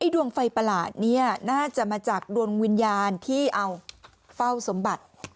ดวงไฟประหลาดน่าจะมาจากดวงวิญญาณที่เอาเฝ้าสมบัติ